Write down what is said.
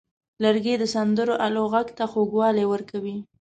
لرګی د سندرو آلو غږ ته خوږوالی ورکوي.